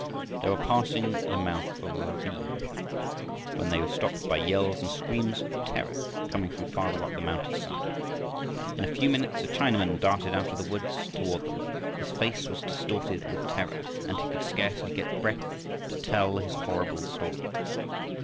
They were passing the mouth of a ravine when they were stopped by yells and screams of terror coming from farther up the mountainside. In a few minutes a Chinaman darted out of the woods toward them. His face was distorted with terror and he could scarcely get breath to tell his horrible story.